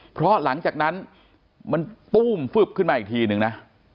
เพราะหลังจากนั้นมันตู้มฟึบขึ้นมาอีกทีนึงนะ